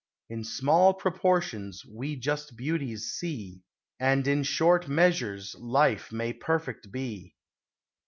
In small proportions we just beauties see; And in short measures life may perfect be.